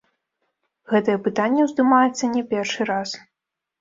Гэтае пытанне ўздымаецца не першы раз.